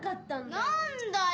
何だよ！